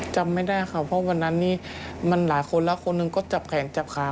จำไม่ได้ค่ะเพราะวันนั้นนี้มันหลายคนแล้วคนหนึ่งก็จับแขนจับขา